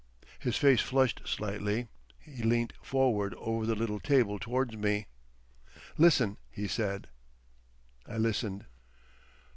His face flushed slightly, he leant forward over the little table towards me. "Listen!" he said. I listened.